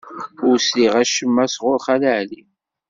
Ur sliɣ acemma sɣur Xali Ɛli.